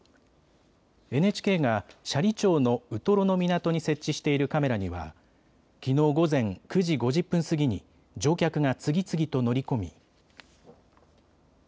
ＮＨＫが斜里町のウトロの港に設置しているカメラにはきのう午前９時５０分過ぎに乗客が次々と乗り込み。